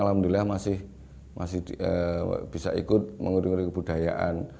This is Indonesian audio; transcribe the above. alhamdulillah masih bisa ikut mengurangi budayaan